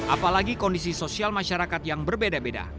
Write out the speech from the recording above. apalagi kondisi sosial masyarakat yang berbeda beda